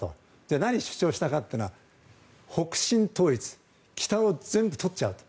何を主張したかというのは北を全部とっちゃうと。